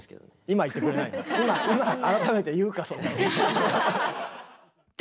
今改めて言うかそれ。